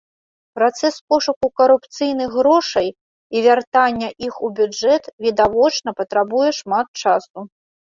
Працэс пошуку карупцыйных грошай і вяртання іх у бюджэт, відавочна, патрабуе шмат часу.